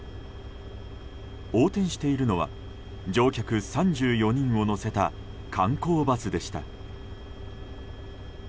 横転しているのは乗客３４人を乗せた観光バスでした。